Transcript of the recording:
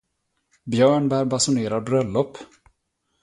Björnbär basunerar bröllop.